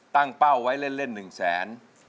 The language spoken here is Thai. ตั้งเป้าไว้เล่น๑แสน